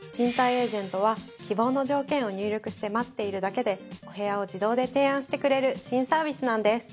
エージェントは希望の条件を入力して待っているだけでお部屋を自動で提案してくれる新サービスなんです。